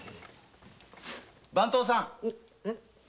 番頭さん